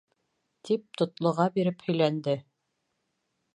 -тип тотлоға биреп һөйләнде.